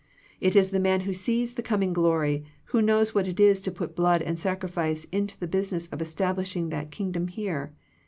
It is the man who sees the coming glory who knows what it is to put blood and sacrifice into the business of establishing that Kingdom here.